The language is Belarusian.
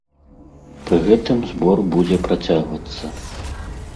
Пры гэтым збор будзе працягвацца.